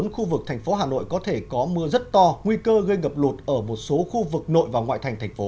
bốn khu vực thành phố hà nội có thể có mưa rất to nguy cơ gây ngập lụt ở một số khu vực nội và ngoại thành thành phố